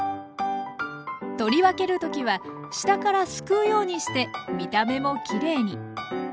取り分ける時は下からすくうようにして見た目もきれいに。